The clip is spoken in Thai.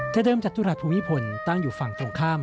แต่เดิมจตุรัสภูมิพลตั้งอยู่ฝั่งตรงข้าม